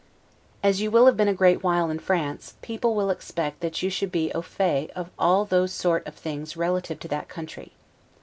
As you will have been a great while in France, people will expect that you should be 'au fait' of all these sort of things relative to that country.